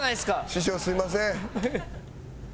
「師匠すみません」。